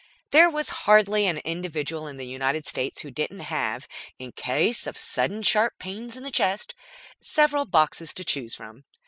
There was hardly an individual in the United States who didn't have, in case of sudden sharp pains in the chest, several boxes to choose from.